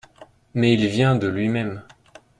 Mais il y vient de lui-même.